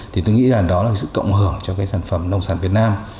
thì tôi nghĩ là đó là sự cộng hưởng cho cái sản phẩm nông sản việt nam